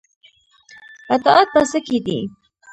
اطاعت په څه کې دی؟